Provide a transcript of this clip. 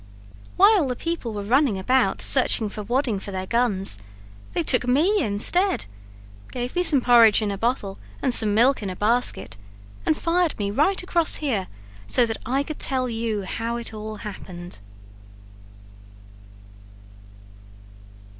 While the people were running about searching for wadding for their guns, they took me instead, gave me some porridge in a bottle and some milk in a basket, and fired me right across here, so that I could tell you how it all happened.